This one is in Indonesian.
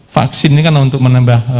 vaksin ini kan untuk menambah